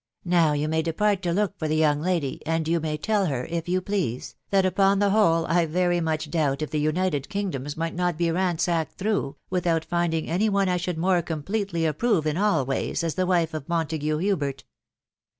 ... Now you may 'depart to look for the young lady, and you may tell her, if you please, that upon the whole I very much doubt if the united kingdoms might not be ransacked through, without finding any one I should more completely approve in all ways as the wife of Montague Hubert.